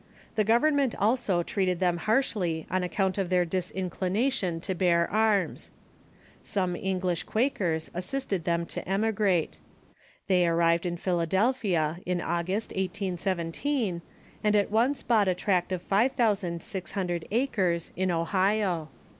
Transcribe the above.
The government also treated them harshly on account of their disinclination to bear arms. Some English Quakers assisted them to emigrate. They arrived in Philadelphia in August, 1817, and at once bought a tract of five thousand six hundred acres in Ohio.